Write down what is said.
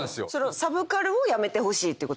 サブカルをやめてほしいってこと？